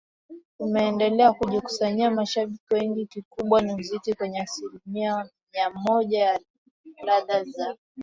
umeendelea kujikusanyia mashabiki wengi Kikubwa ni muziki wenye asilimia mia moja ya ladha za